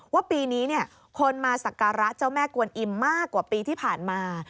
ว่าปีนี้คนมาสักการะเจ้าแม่กวนอิ่มมากกว่าปีที่ผ่านมา